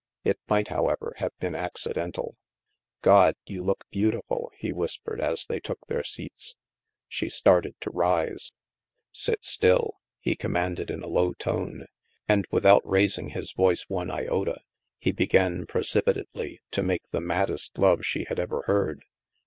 It might, however, have been accidental. " God, you look beautiful," he whispered as they took their seats. She started to rise. " Sit still," he commanded in a low tone. And without raising his voice one iota, he began pre cipitately to make the maddest love she had ever heard.